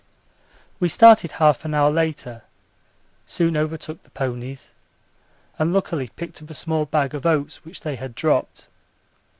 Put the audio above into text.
We started half an hour later, soon overtook the ponies, and luckily picked up a small bag of oats which they had dropped.